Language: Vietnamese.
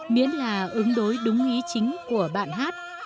miễn là ứng đối đúng ý chính của bạn hát